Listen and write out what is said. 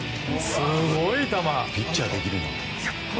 すごい球！